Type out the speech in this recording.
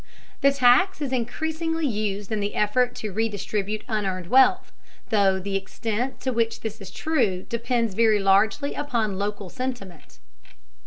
The tax is increasingly used in the effort to redistribute unearned wealth, though the extent to which this is true depends very largely upon local sentiment.